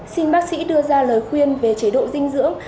xin bác sĩ đưa ra lời khuyên về chế độ dinh dưỡng